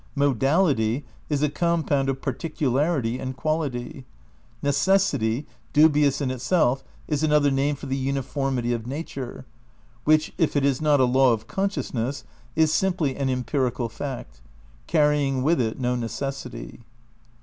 Modality is a compound of particularity and quality. Necessity, dubious in itself, is another name for the uniformity of nature, which if it is not a law of consciousness, is simply an empirical fact, carry ing with it no necessity.